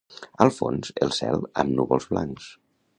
Al fons, el cel amb núvols blancs.